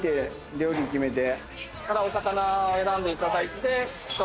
料理決めて。